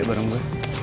ikut bareng gue